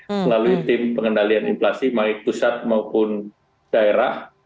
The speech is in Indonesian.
selalu tim pengendalian inflasi maupun pusat maupun daerah